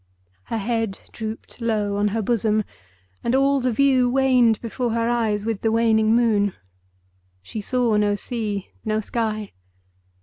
Her head drooped low on her bosom, and all the view waned before her eyes with the waning moon. She saw no sea, no sky.